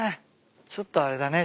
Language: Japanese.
ちょっとあれだね。